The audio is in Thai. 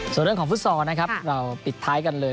ส่วนเรื่องของฟุตซอลนะครับเราปิดท้ายกันเลย